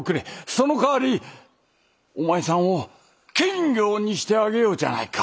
そのかわりお前さんを検校にしてあげようじゃないか。